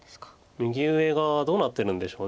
右上がどうなってるんでしょう。